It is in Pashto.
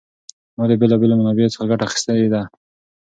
ما د بېلا بېلو منابعو څخه ګټه اخیستې ده.